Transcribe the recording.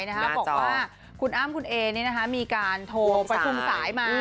บอกว่าคุณอ้ามคุณเอเนี่ยนะคะมีการโทรประทุมสายมา